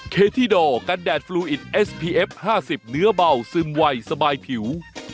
กันแดดฟลูอิทเอสพีเอฟห้าสิบเนื้อเบาซึมไหวสบายผิว